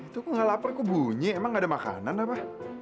itu kok gak lapar kok bunyi emang gak ada makanan apa